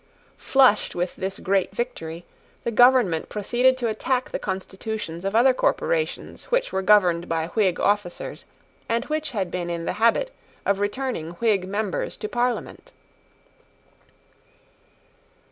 Flushed with this great victory, the government proceeded to attack the constitutions of other corporations which were governed by Whig officers, and which had been in the habit of returning Whig members to Parliament.